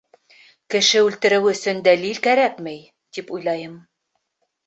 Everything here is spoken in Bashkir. Кеше үлтереү өсөн дәлил кәрәкмәй, тип уйлайым.